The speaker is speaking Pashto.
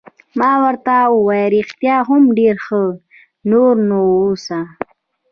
ما ورته وویل: رښتیا هم ډېر ښه، نور نو اوس.